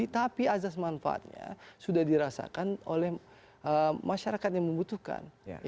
tapi azas manfaatnya sudah dirasakan oleh masyarakat yang membutuhkan